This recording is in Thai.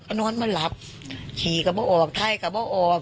สงสันหนูเนี่ยว่าสงสันหนูเนี่ยมีกระทิแววออกได้จังไหน